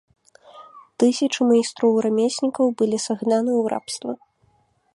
Тысячы майстроў-рамеснікаў былі сагнаны ў рабства.